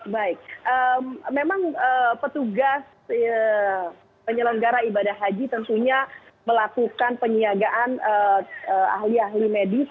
baik memang petugas penyelenggara ibadah haji tentunya melakukan penyiagaan ahli ahli medis